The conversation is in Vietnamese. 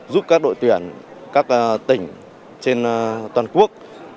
giúp các đội tuyển các tỉnh trên toàn quốc